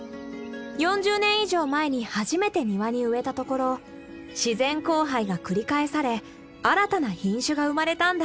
４０年以上前に初めて庭に植えたところ自然交配が繰り返され新たな品種が生まれたんだ。